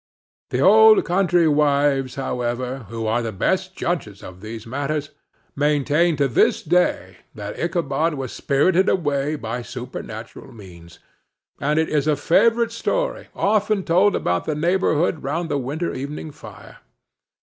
The old country wives, however, who are the best judges of these matters, maintain to this day that Ichabod was spirited away by supernatural means; and it is a favorite story often told about the neighborhood round the winter evening fire.